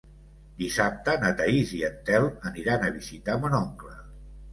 Dissabte na Thaís i en Telm aniran a visitar mon oncle.